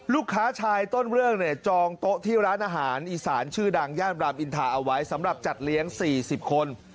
ลูกค้าชายต้นเรื่องเนี่ยจองโต๊ะที่ร้านอาหารอีสานชื่อดังย่านรามอินทาเอาไว้สำหรับจัดเลี้ยง๔๐คน